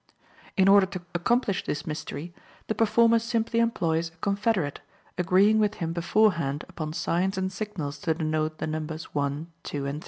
In order to accomplish this mystery, the performer simply employs a confederate, agreeing with him beforehand upon signs and signals to denote the numbers 1, 2, and 3.